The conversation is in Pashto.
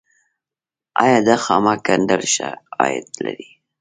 آیا د خامک ګنډل ښه عاید لري؟